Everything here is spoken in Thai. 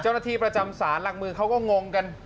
เจ้าหน้าที่ประจำศาลหลักเมืองเขาก็งงกัน